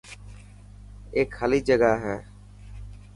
اي خالي جگا هي.